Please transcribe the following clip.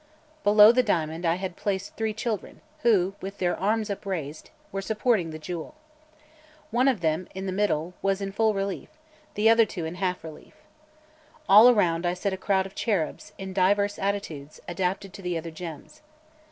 Below the diamond I had place three children, who, with their arms upraised, were supporting the jewel. One of them, in the middle, was in full relief, the other two in half relief. All around I set a crowd of cherubs, in divers attitudes, adapted to the other gems.